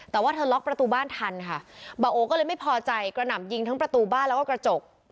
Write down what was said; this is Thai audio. แต่ว่าเธอล็อกประตูบ้านทันค่ะบ่าโอก็เลยไม่พอใจกระหน่ำยิงทั้งประตูบ้านแล้วก็กระจก